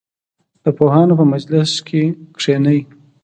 د پوهانو په مجلس کې کښېنئ.